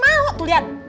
siapa yang mau tuh liat